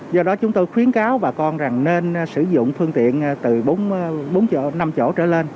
do đó chúng tôi khuyến cáo bà con rằng nên sử dụng phương tiện từ bốn chỗ năm chỗ trở lên